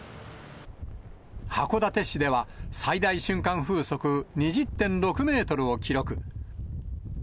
函館市では、最大瞬間風速２０．６メートルを記録。